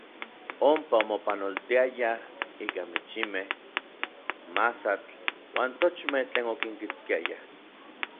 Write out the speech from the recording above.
Onpa omopanoltiayaj ika michimej, masatl uan tochmej tlen okinkitskiayaj.